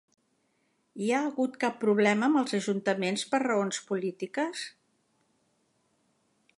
Hi ha hagut cap problema amb els ajuntaments per raons polítiques?